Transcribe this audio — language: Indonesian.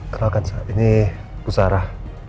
kenalkan sa ini bu sarah